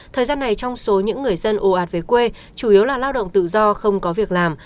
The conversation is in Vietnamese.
thời gian này trong số những người dân ồ ạt về quê chủ yếu là lao động tự do không có việc làm